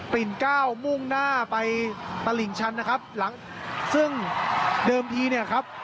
ปิ่นเก้ามุ่งหน้าไปตลิ่งชันนะครับหลังซึ่งเดิมทีเนี่ยครับ